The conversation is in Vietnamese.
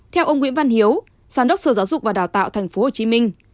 theo ông nguyễn văn hiếu giám đốc sở giáo dục và đào tạo tp hcm